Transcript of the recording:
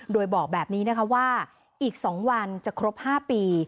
โดยบอกแบบนี้นะคะว่าอีก๒วันจะครบ๕ปี